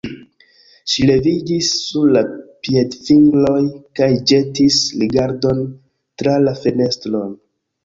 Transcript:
Ŝi leviĝis sur la piedfingroj kaj ĵetis rigardon tra la fenestron.